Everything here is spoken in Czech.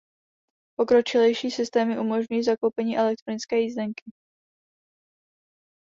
Pokročilejší systémy umožňují zakoupení elektronické jízdenky.